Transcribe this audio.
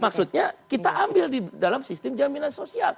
maksudnya kita ambil di dalam sistem jaminan sosial